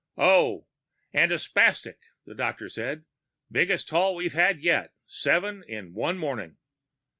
"Oh, and a spastic," the doctor said. "Biggest haul we've had yet. Seven in one morning."